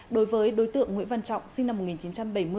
đối với đối tượng nguyễn văn trọng sinh năm một nghìn chín trăm bảy mươi